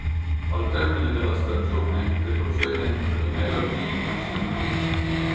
Al termine della stagione retrocede in Primera B Nacional.